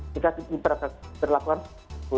jika itu berlaku